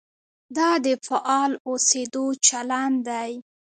دا د فعال اوسېدو چلند دی.